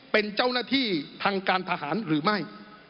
เป็นเจ้าหน้าที่ทางการทหารหรือไม่